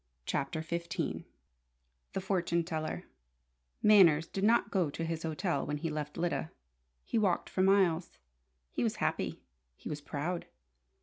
CHAPTER XV THE FORTUNE TELLER Manners did not go to his hotel when he left Lyda. He walked for miles. He was happy. He was proud.